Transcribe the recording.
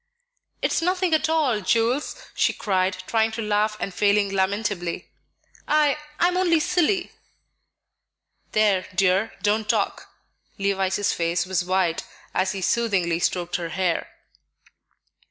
"It's nothing at all, Jules," she cried, trying to laugh and failing lamentably; "I I'm only silly." "There, dear, don't talk." Levice's face was white as he soothingly stroked her hair.